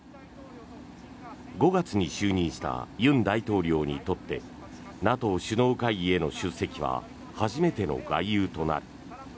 ５月に就任した尹大統領にとってＮＡＴＯ首脳会議への出席は初めての外遊となる。